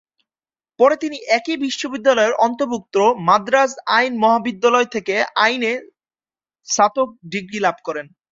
পরে তিনি একই বিশ্ববিদ্যালয়ের অন্তর্ভুক্ত মাদ্রাজ আইন মহাবিদ্যালয় থেকে আইনে স্নাতক ডিগ্রী লাভ করেন।